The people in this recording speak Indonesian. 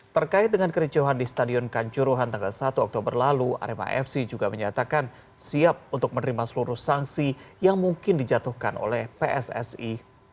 terkait dengan kericuhan di stadion kanjuruhan tanggal satu oktober lalu arema fc juga menyatakan siap untuk menerima seluruh sanksi yang mungkin dijatuhkan oleh pssi